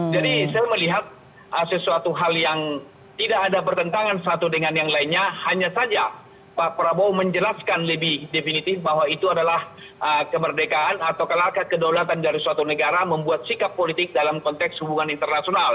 jadi saya melihat sesuatu hal yang tidak ada pertentangan satu dengan yang lainnya hanya saja pak prabowo menjelaskan lebih definitif bahwa itu adalah kemerdekaan atau kelargat kedaulatan dari suatu negara membuat sikap politik dalam konteks hubungan internasional